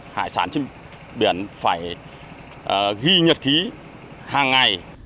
hải sản trên biển phải ghi nhật ký hàng ngày